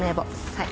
はい。